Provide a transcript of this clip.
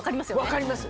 分かります！